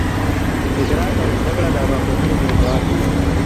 ادراک او زده کړه د ارواپوهني موضوعات دي.